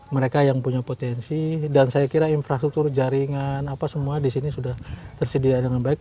mereka yang punya potensi dan saya kira infrastruktur jaringan apa semua di sini sudah tersedia dengan baik